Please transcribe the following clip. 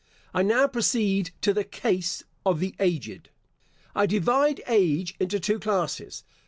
I now proceed to the case of the aged. I divide age into two classes.